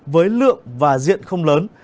với lượng và diện không lớn